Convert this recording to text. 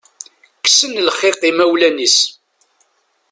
Kksen lxiq imawlan-is.